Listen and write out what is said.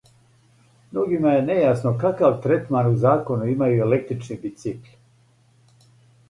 Mногима је нејасно какав третман у закону имају електрични бицикли.